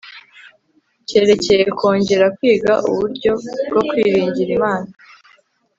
cyerekeye kongera kwiga uburyo bwo kwiringira Imana